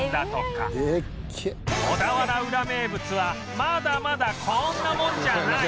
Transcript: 小田原ウラ名物はまだまだこんなもんじゃない！